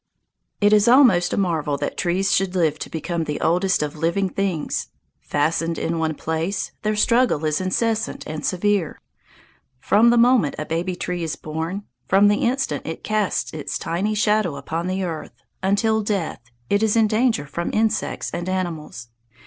It is almost a marvel that trees should live to become the oldest of living things. Fastened in one place, their struggle is incessant and severe. From the moment a baby tree is born from the instant it casts its tiny shadow upon the ground until death, it is in danger from insects and animals.